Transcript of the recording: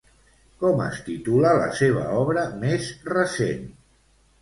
Com es titula la seva obra més recent?